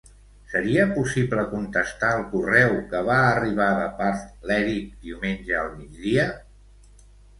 Seria possible contestar el correu que va arribar de part l'Èric diumenge al migdia?